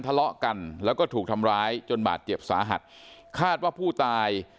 ทะเลาะกันแล้วก็ถูกทำร้ายจนบาดเจ็บสาหัสคาดว่าผู้ตาย